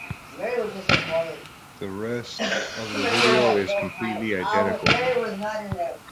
The rest of the video is completely identical.